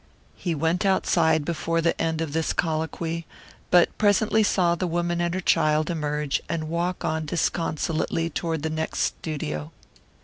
He went outside before the end of this colloquy, but presently saw the woman and her child emerge and walk on disconsolately toward the next studio.